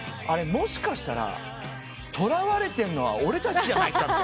もしかしたら捕らわれてんのは俺たちじゃないか。